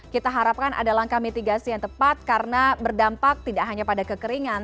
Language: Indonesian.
kita harapkan ada langkah mitigasi yang tepat karena berdampak tidak hanya pada kekeringan